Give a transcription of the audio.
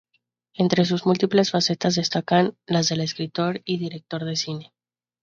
Entre sus múltiples facetas destacan las de escritor y director de cine.